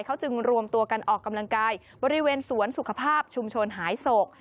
เขาจึงรวมตัวกันออกกำลังกายบริเวณสวนสุขภาพชุมชนหายโศก